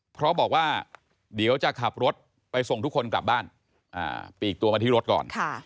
เพราะบอกว่าเดี๋ยวจะขับรถไปส่งทุกคนกลับบ้านปีกตัวมาที่รถก่อน